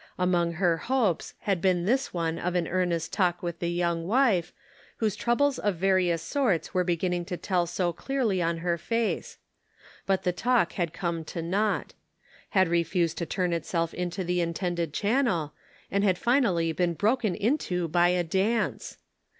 Among her hopes had been this one of an earnest talk with the young wife, whose trou bles of various sorts were beginning to tell so clearly on her face. But the talk had come to naught ; had refused to turn itself into the intended channel, and had finally been broken into by a dance